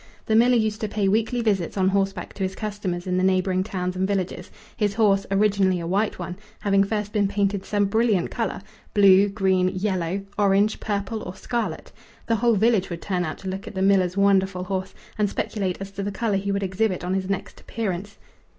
The miller used to pay weekly visits on horseback to his customers in the neighbouring towns and villages, his horse, originally a white one, having first been painted some brilliant colour blue, green, yellow, orange, purple, or scarlet. The whole village would turn out to look at the miller's wonderful horse and speculate as to the colour he would exhibit on his next appearance.